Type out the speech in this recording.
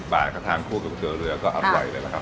๓๐บาทกระทานคู่กับเกลือเหลือก็อร่อยเลยค่ะผม